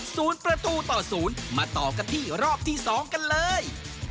ศูนย์ประตูต่อศูนย์มาต่อกันที่รอบที่สองกันเลย